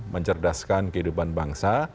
mencerdaskan kehidupan bangsa